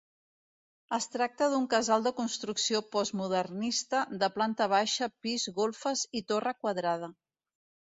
Es tracta d'un casal de construcció postmodernista de planta baixa, pis, golfes i torre quadrada.